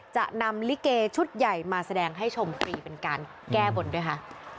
จะนำลิเกชุดใหญ่มาแสดงให้ชมฟรีเป็นการแก้บนด้วยค่ะ